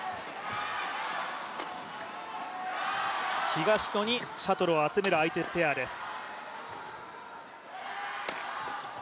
東野にシャトルを集める相手ペアです。